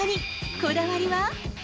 こだわりは？